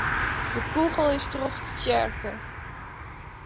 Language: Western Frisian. De kûgel is troch de tsjerke.